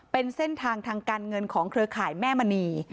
เป็นเส้นทางทางการเงินของเครือข่ายแม่มณี